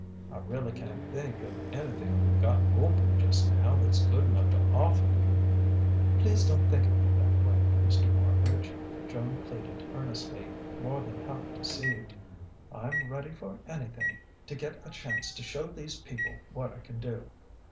"I really can't think of anything we've got open just now that's good enough to offer you." "Please don't think of me that way, Mr. Marbridge," Joan pleaded earnestly, more than half deceived. "I'm ready for anything, to get a chance to show these people what I can do.